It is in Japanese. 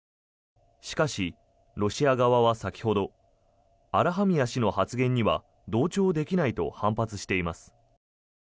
しかし、ロシア側は先ほどアラハミア氏の発言には同調できないと反発しています。